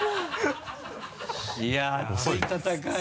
いや熱い戦い。